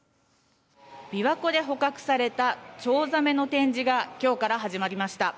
びわ湖で捕獲されたチョウザメの展示がきょうから始まりました。